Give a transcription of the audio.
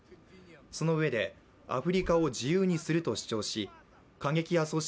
そのうえでアフリカを自由にすると主張し過激派組織